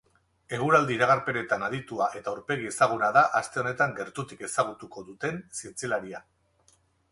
Eguraldi-iragarpenetan aditua eta aurpegi ezaguna da aste honetan gertutik ezagutuko duten zientzialaria.